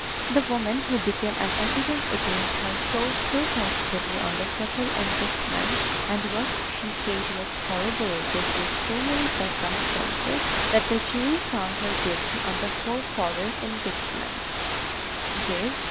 The woman who became an evidence against her swore so positively on the several indictments, and what she said was corroborated with so many circumstances, that the jury found her guilty on the four following indictments, viz.